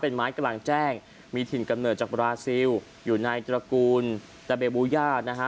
เป็นไม้กลางแจ้งมีถิ่นกำเนิดจากบราซิลอยู่ในตระกูลดาเบบูย่านะฮะ